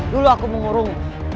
dulu aku mengurung